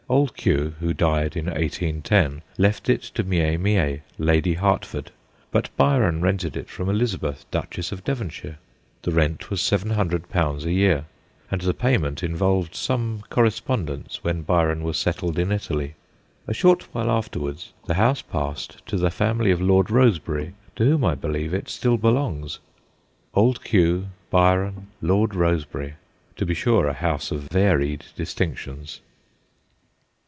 Old Q., who died in 1810, left it to 'Mie Mie,' Lady Hertford ; but Byron rented it from Elizabeth, Duchess of Devonshire. The rent was 700 a year, and the payment in volved some correspondence when Byron was settled in Italy. A short while after wards the house passed to the family of Lord Rosebery, to whom, I believe, it still belongs. Old Q., Byron, Lord Rosebery to be sure, a house of varied distinctions.